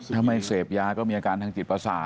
ทำไมเสียบยาก็มีอาการทางจิตภาษา